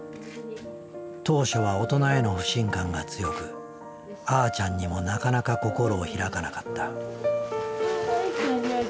当初は大人への不信感が強くあーちゃんにもなかなか心を開かなかった。